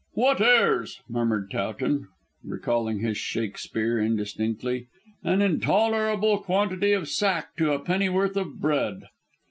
"What airs!" murmured Towton, recalling his Shakespeare indistinctly; "an intolerable quantity of sack to a pennyworth of bread."